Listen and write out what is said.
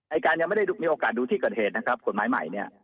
อายการยังไม่ได้มีโอกาสดูที่เกิดเหตุนะครับกฎหมายใหม่เนี่ย